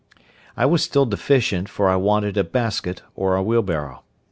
I was still deficient, for I wanted a basket or a wheelbarrow.